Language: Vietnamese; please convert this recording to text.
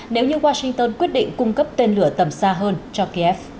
nếu như washington quyết định cung cấp tên lửa tầm xa hơn cho kiev